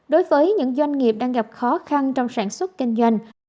đối với những doanh nghiệp đang gặp khó khăn trong sản xuất kinh doanh